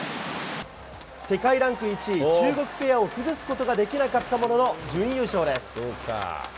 世界ランク１位、中国ペアを崩すことができなかったものの準優勝です。